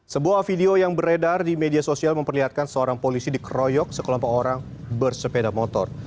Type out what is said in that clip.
sebuah video yang beredar di media sosial memperlihatkan seorang polisi dikeroyok sekelompok orang bersepeda motor